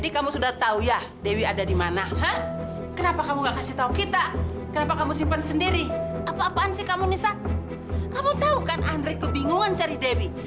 kamu tahu kan andre kebingungan cari dewi